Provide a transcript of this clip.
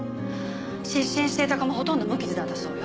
失神していた子もほとんど無傷だったそうよ。